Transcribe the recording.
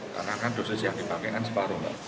karena kan dosis yang dipakai kan separuh